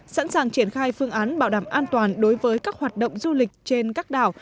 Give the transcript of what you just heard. sẵn sàng triển khai phương án bảo đảm an toàn đối với các hoạt động du lịch trên các đảo